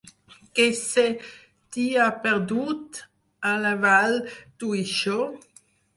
Què se t'hi ha perdut, a la Vall d'Uixó?